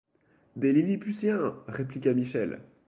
Des Lilliputiens! répliqua Michel.